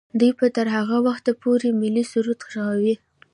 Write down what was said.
دوی به تر هغه وخته پورې ملي سرود ږغوي.